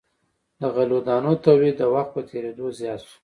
د غلو دانو تولید د وخت په تیریدو زیات شو.